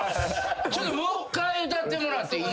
ちょっともっかい歌ってもらっていいっすか？